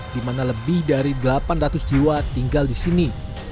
dimana lebih dari delapan ratus jiwa tinggal di sini